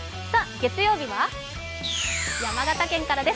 月曜日は山形県からです。